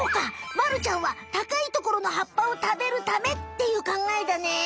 まるちゃんは高いところの葉っぱを食べるためっていうかんがえだね。